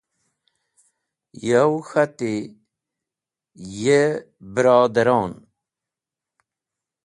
Yow K̃hati: Ye barodaron!